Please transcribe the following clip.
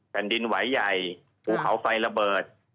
แผ่นดินไหวใหญ่ภูเขาไฟระเบิด